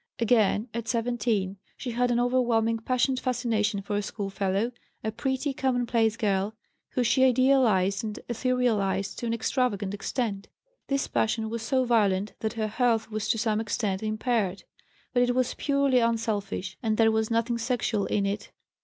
Again, at 17, she had an overwhelming, passionate fascination for a schoolfellow, a pretty, commonplace girl, whom she idealized and etherealized to an extravagant extent. This passion was so violent that her health was, to some extent, impaired; but it was purely unselfish, and there was nothing sexual in it.